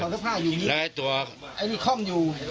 ถอดเสื้อผ้าอยู่นี่ไอ้นี่คล่อมอยู่